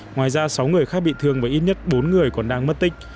ngoài ra sáu người khác bị thương và ít nhất bốn người còn đang mất tích